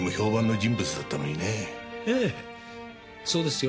ええそうですよ。